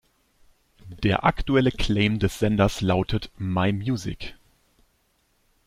Der aktuelle Claim des Senders lautet „my music.